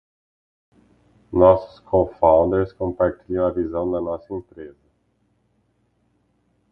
Nossos cofounders compartilham a visão de nossa empresa.